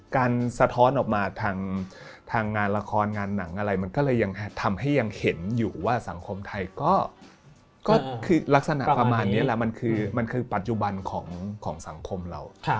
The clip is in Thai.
ประมาณนี้แหละมันคือปัจจุบันของสังคมเรา